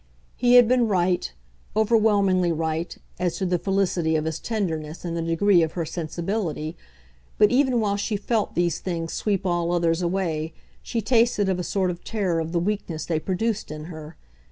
He had been right, overwhelmingly right, as to the felicity of his tenderness and the degree of her sensibility, but even while she felt these things sweep all others away she tasted of a sort of terror of the weakness they produced in her.